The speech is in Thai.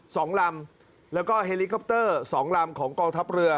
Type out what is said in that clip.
สองลำแล้วก็เฮลิคอปเตอร์สองลำของกองทัพเรือ